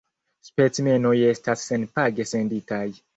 Specimenoj estas senpage senditaj.